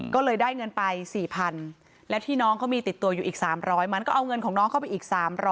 ก็เลยได้เงินไป๔๐๐๐แล้วที่น้องเขามีติดตัวอยู่อีก๓๐๐มันก็เอาเงินของน้องเข้าไปอีก๓๐๐